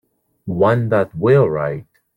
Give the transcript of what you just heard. One that will write.